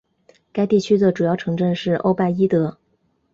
该地区的主要城镇是欧拜伊德。